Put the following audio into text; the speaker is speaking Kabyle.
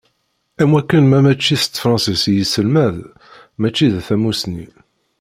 Am wakken ma mačči s tefransist i yesselmad mačči d tamussni.